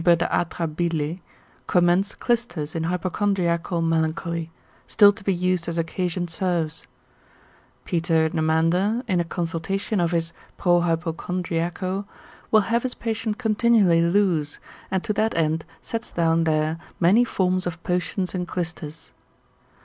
de atra bile, commends clysters in hypochondriacal melancholy, still to be used as occasion serves; Peter Cnemander in a consultation of his pro hypocondriaco, will have his patient continually loose, and to that end sets down there many forms of potions and clysters.